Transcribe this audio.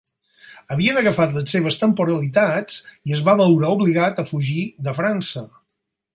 Havien agafat les seves temporalitats i es va veure obligat a fugir de França.